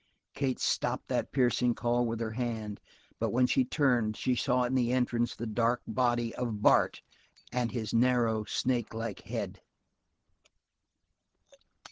Kate stopped that piercing call with her hand, but when she turned, she saw in the entrance the dark body of Bart and his narrow, snake like head.